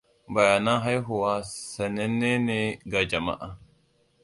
Bayanan haihuwa sanenne ne ga jama'a.